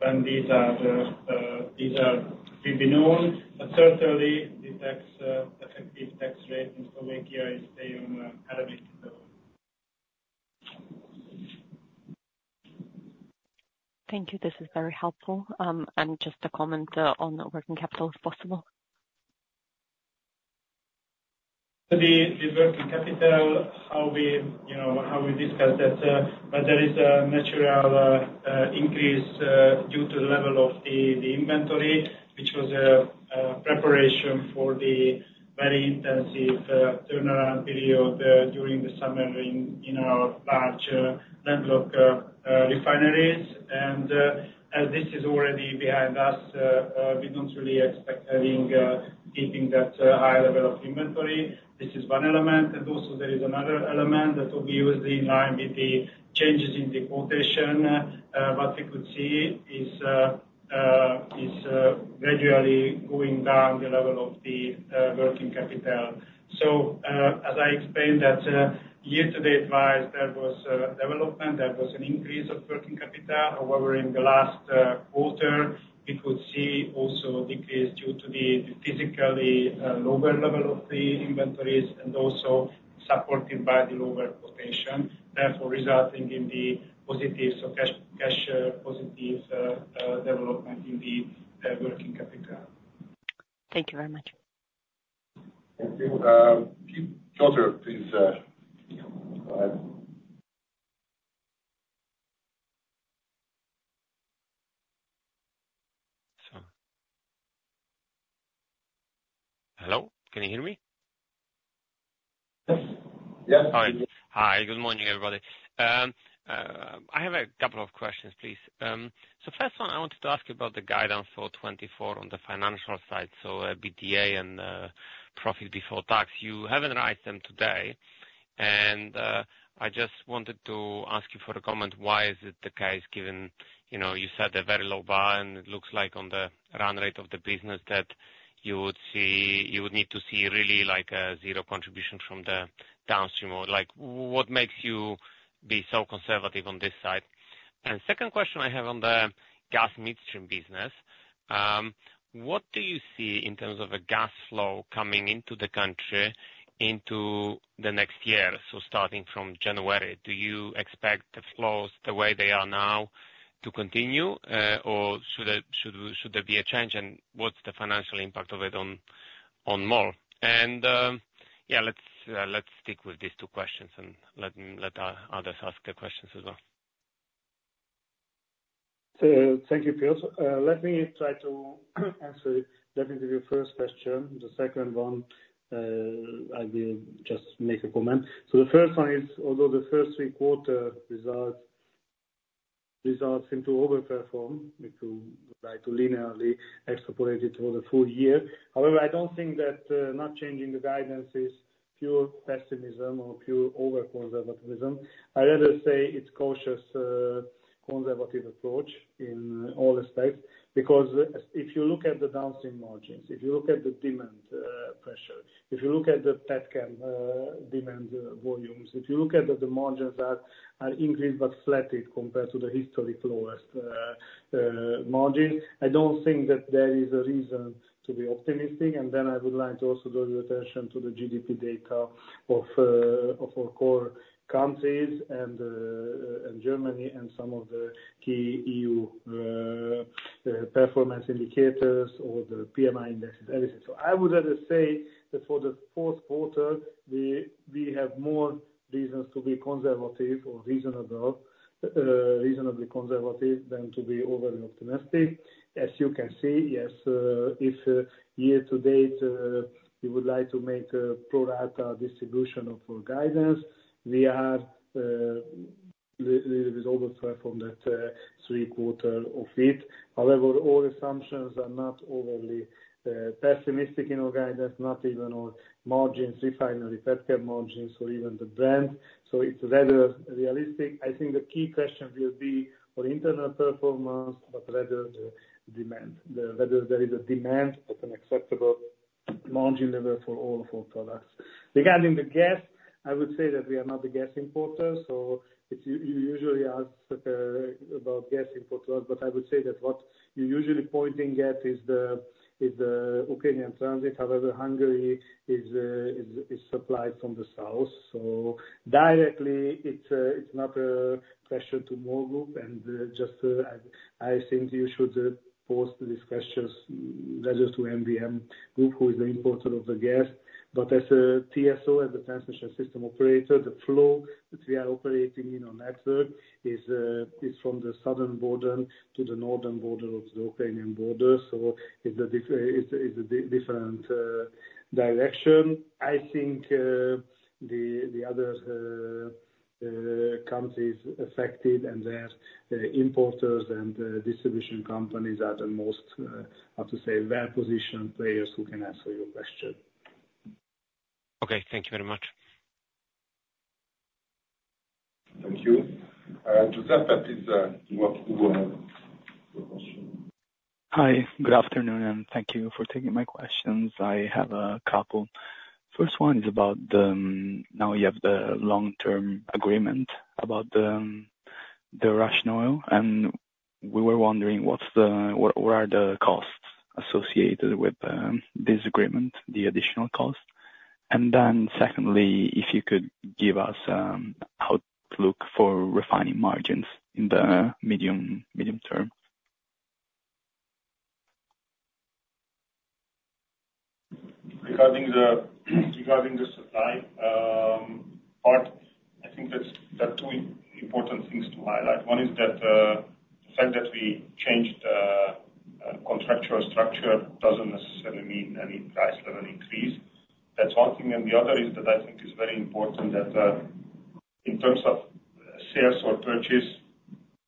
when these are to be known. But certainly, the effective tax rate in Slovakia is staying on an elevated level. Thank you. This is very helpful. And just a comment on working capital, if possible. The working capital, how we discussed that, but there is a natural increase due to the level of the inventory, which was a preparation for the very intensive turnaround period during the summer in our large landlocked refineries, and as this is already behind us, we don't really expect keeping that high level of inventory. This is one element, and also, there is another element that will be usually in line with the changes in the quotation. What we could see is gradually going down the level of the working capital, so as I explained, that year-to-date-wise, there was development, there was an increase of working capital. However, in the last quarter, we could see also a decrease due to the physically lower level of the inventories and also supported by the lower quotation, therefore resulting in the positive cash-positive development in the working capital. Thank you very much. Thank you. Piotr, please go ahead. Hello. Can you hear me? Yes. Yes. Hi. Hi. Good morning, everybody. I have a couple of questions, please. So first one, I wanted to ask you about the guidance for 2024 on the financial side, so EBITDA and profit before tax. You haven't raised them today, and I just wanted to ask you for a comment. Why is it the case given you said a very low bar, and it looks like on the run rate of the business that you would need to see really like a zero contribution from the Downstream? What makes you be so conservative on this side? And second question I have on the gas midstream business. What do you see in terms of a gas flow coming into the country into the next year? So starting from January, do you expect the flows, the way they are now, to continue, or should there be a change? And what's the financial impact of it on MOL? And yeah, let's stick with these two questions and let others ask the questions as well. So thank you, Piotr. Let me try to answer definitely your first question. The second one, I will just make a comment. So the first one is, although the first three quarters results seem to overperform, we would like to linearly extrapolate it for the full year. However, I don't think that not changing the guidance is pure pessimism or pure over-conservatism. I'd rather say it's cautious conservative approach in all respects because if you look at the Downstream margins, if you look at the demand pressure, if you look at the petchem demand volumes, if you look at that the margins are increased but flattened compared to the historic lowest margins, I don't think that there is a reason to be optimistic. And then I would like to also draw your attention to the GDP data of our core countries and Germany and some of the key EU performance indicators or the PMI indexes, everything. So I would rather say that for the fourth quarter, we have more reasons to be conservative or reasonably conservative than to be overly optimistic. As you can see, yes, if year-to-date, we would like to make a pro-rata distribution of our guidance, we are a little bit overperformed at three-quarters of it. However, all assumptions are not overly pessimistic in our guidance, not even our margins, refinery petchem margins, or even the Brent. So it's rather realistic. I think the key question will be on internal performance, but rather the demand, whether there is a demand at an acceptable margin level for all of our products. Regarding the gas, I would say that we are not the gas importer, so you usually ask about gas importers, but I would say that what you're usually pointing at is the Ukrainian transit. However, Hungary is supplied from the south, so directly, it's not a question to MOL Group, and just I think you should pose these questions rather to MVM Group, who is the importer of the gas, but as a TSO, as a transmission system operator, the flow that we are operating in our network is from the southern border to the northern border of the Ukrainian border, so it's a different direction. I think the other countries affected, and their importers and distribution companies are the most, how to say, well-positioned players who can answer your question. Okay. Thank you very much. Thank you. Josep, your question. Hi. Good afternoon, and thank you for taking my questions. I have a couple. First one is about now you have the long-term agreement about the Russian oil, and we were wondering what are the costs associated with this agreement, the additional cost. And then secondly, if you could give us an outlook for refining margins in the medium term. Regarding the supply part, I think there are two important things to highlight. One is that the fact that we changed the contractual structure doesn't necessarily mean any price level increase. That's one thing, and the other is that I think it's very important that in terms of sales or purchase,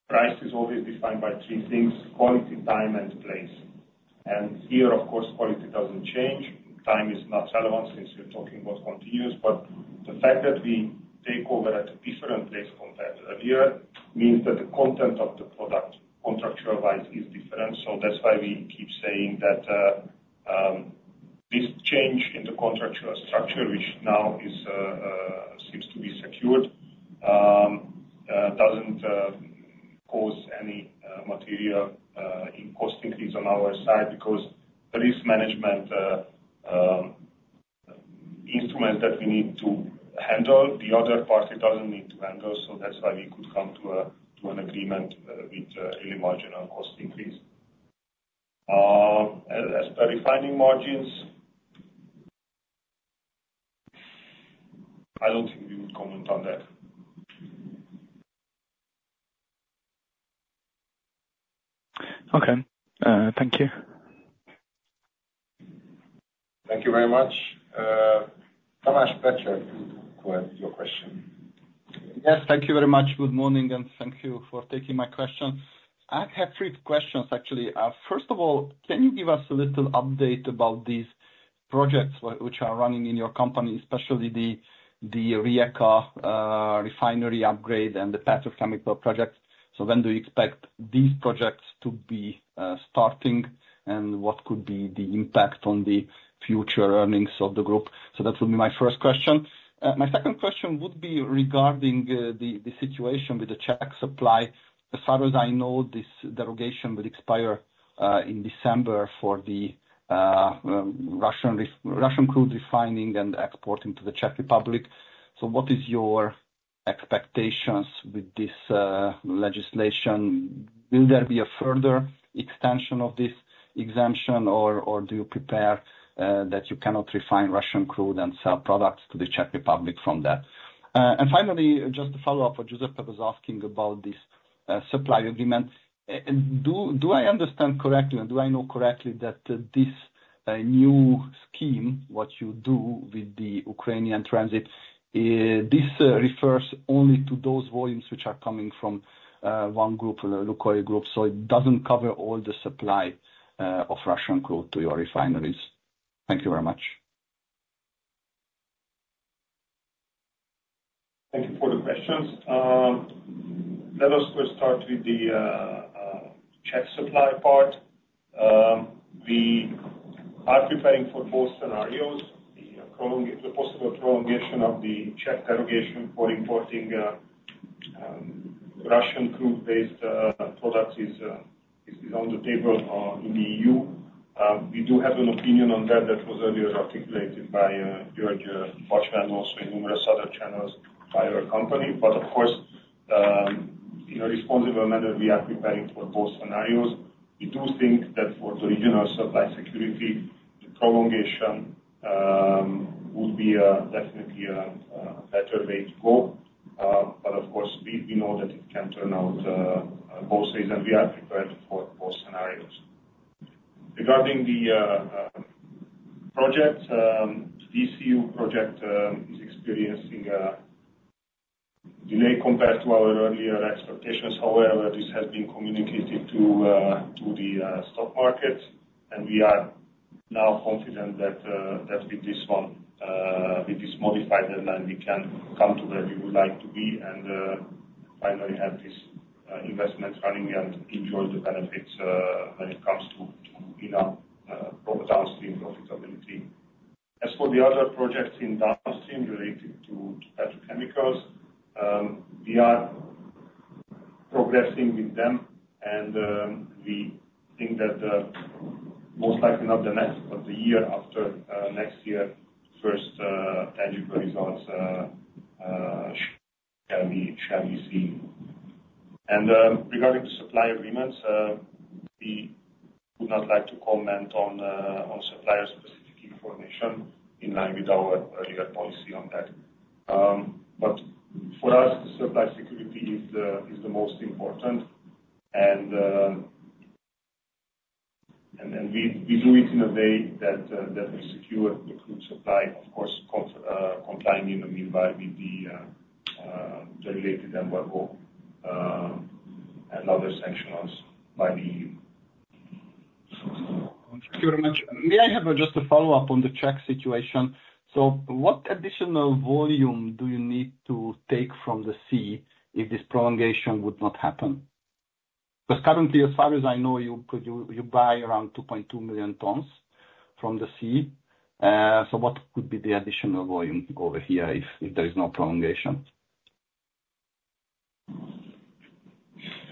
price is always defined by three things: quality, time, and place, and here, of course, quality doesn't change. Time is not relevant since we're talking about continuous, but the fact that we take over at a different place compared to earlier means that the content of the product contractual-wise is different, so that's why we keep saying that this change in the contractual structure, which now seems to be secured, doesn't cause any material cost increase on our side because the risk management instruments that we need to handle, the other party doesn't need to handle. So that's why we could come to an agreement with really marginal cost increase. As per refining margins, I don't think we would comment on that. Okay. Thank you. Thank you very much. Tamás Pletser, could have your question? Yes. Thank you very much. Good morning, and thank you for taking my question. I have three questions, actually. First of all, can you give us a little update about these projects which are running in your company, especially the Rijeka refinery upgrade and the petrochemical project? So when do you expect these projects to be starting, and what could be the impact on the future earnings of the group? So that would be my first question. My second question would be regarding the situation with the Czech supply. As far as I know, this derogation will expire in December for the Russian crude refining and export into the Czech Republic. So what is your expectations with this legislation? Will there be a further extension of this exemption, or do you prepare that you cannot refine Russian crude and sell products to the Czech Republic from that? Finally, just to follow up what Josep was asking about this supply agreement, do I understand correctly, and do I know correctly that this new scheme, what you do with the Ukrainian transit, this refers only to those volumes which are coming from one group, Lukoil Group, so it doesn't cover all the supply of Russian crude to your refineries? Thank you very much. Thank you for the questions. Let us first start with the Czech supply part. We are preparing for both scenarios. The possible prolongation of the Czech derogation for importing Russian crude-based products is on the table in the EU. We do have an opinion on that that was earlier articulated by György Bacsa and also in numerous other channels by our company. But of course, in a responsible manner, we are preparing for both scenarios. We do think that for the regional supply security, the prolongation would be definitely a better way to go. But of course, we know that it can turn out both ways, and we are prepared for both scenarios. Regarding the project, the DCU project is experiencing a delay compared to our earlier expectations. However, this has been communicated to the stock markets, and we are now confident that with this one, with this modified deadline, we can come to where we would like to be and finally have this investment running and enjoy the benefits when it comes to Downstream profitability. As for the other projects in Downstream related to petrochemicals, we are progressing with them, and we think that most likely not the next, but the year after next year, first tangible results shall be seen. And regarding the supply agreements, we would not like to comment on supplier-specific information in line with our earlier policy on that. But for us, supply security is the most important, and we do it in a way that we secure the crude supply, of course, complying in a meanwhile with the related law and other sanctions by the EU. Thank you very much. May I have just a follow-up on the Czech situation? So what additional volume do you need to take from the sea if this prolongation would not happen? Because currently, as far as I know, you buy around 2.2 million tons from the sea. So what could be the additional volume over here if there is no prolongation?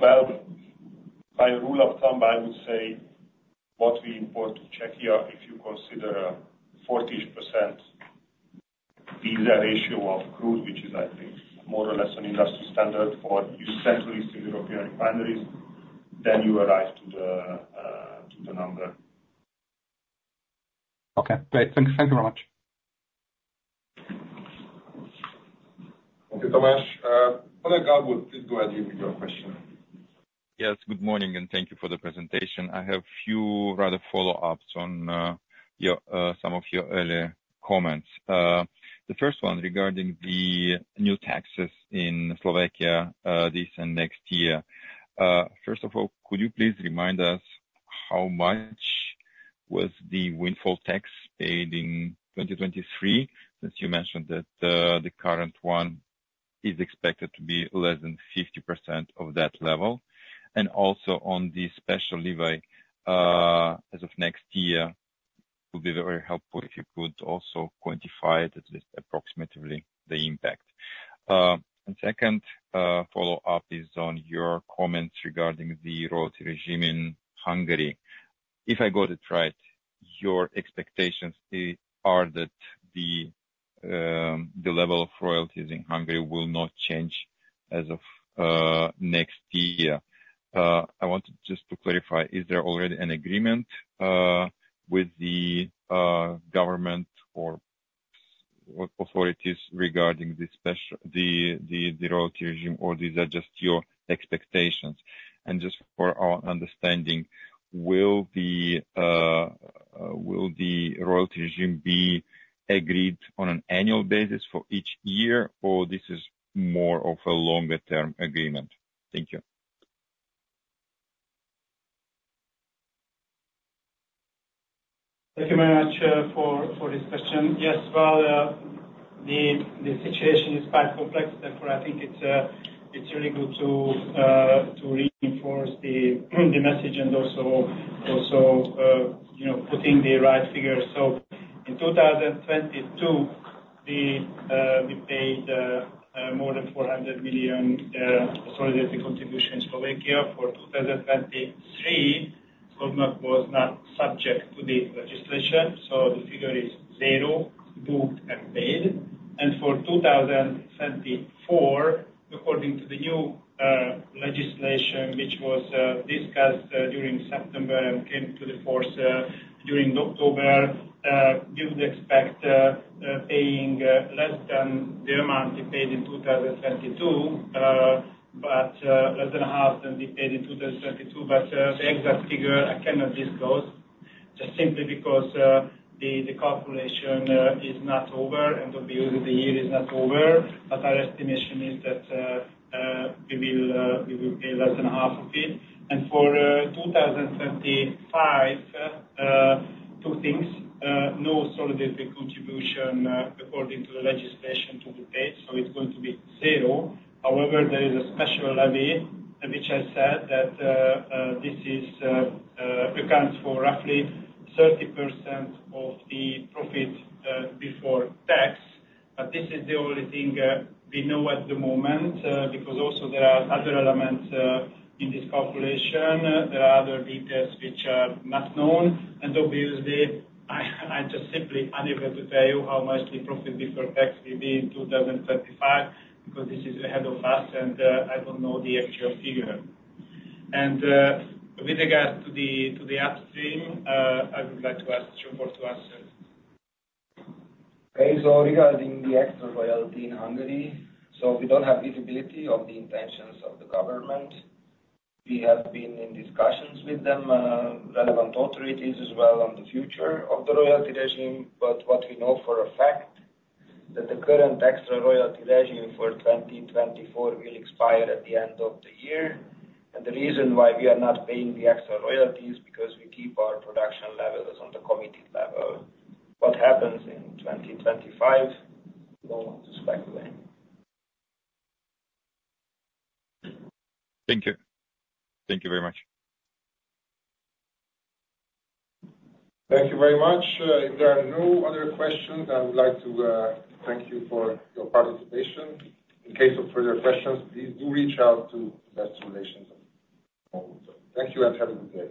By rule of thumb, I would say what we import to Czechia, if you consider a 40% diesel ratio of crude, which is, I think, more or less an industry standard for Central and Eastern European refineries, then you arrive to the number. Okay. Great. Thank you very much. Thank you, Tomasz. Oleg, I would please go ahead with your question. Yes. Good morning, and thank you for the presentation. I have a few rather follow-ups on some of your earlier comments. The first one regarding the new taxes in Slovakia this and next year. First of all, could you please remind us how much was the windfall tax paid in 2023 since you mentioned that the current one is expected to be less than 50% of that level? And also on the special levy as of next year, it would be very helpful if you could also quantify it, at least approximately, the impact. And second follow-up is on your comments regarding the royalty regime in Hungary. If I got it right, your expectations are that the level of royalties in Hungary will not change as of next year. I wanted just to clarify, is there already an agreement with the government or authorities regarding the royalty regime, or these are just your expectations? And just for our understanding, will the royalty regime be agreed on an annual basis for each year, or this is more of a longer-term agreement? Thank you. Thank you very much for this question. Yes. Well, the situation is quite complex. Therefore, I think it's really good to reinforce the message and also putting the right figures. So in 2022, we paid more than 400 million solidarity contributions in Slovakia. For 2023, Slovakia was not subject to the legislation. So the figure is zero booked and paid. And for 2024, according to the new legislation, which was discussed during September and came into force during October, you would expect paying less than the amount we paid in 2022, but less than half than we paid in 2022. But the exact figure, I cannot disclose just simply because the calculation is not over, and obviously, the year is not over. But our estimation is that we will pay less than half of it. And for 2025, two things. No solidarity contribution, according to the legislation, to be paid so it's going to be zero. However, there is a special levy, which I said that this accounts for roughly 30% of the profit before tax but this is the only thing we know at the moment because also there are other elements in this calculation. There are other details which are not known and obviously, I'm just simply unable to tell you how much the profit before tax will be in 2025 because this is ahead of us, and I don't know the actual figure and with regards to the Upstream, I would like to ask György to answer. Okay. So regarding the extra royalty in Hungary, so we don't have visibility of the intentions of the government. We have been in discussions with them, relevant authorities as well, on the future of the royalty regime. But what we know for a fact is that the current extra royalty regime for 2024 will expire at the end of the year. And the reason why we are not paying the extra royalties is because we keep our production levels on the committed level. What happens in 2025, no one to speculate. Thank you. Thank you very much. Thank you very much. If there are no other questions, I would like to thank you for your participation. In case of further questions, please do reach out to Investor Relations. Thank you and have a good day.